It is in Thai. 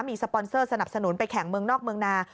มีสปอนเซอร์สนับสนุนไปแข่งเมืองนอกเมืองนา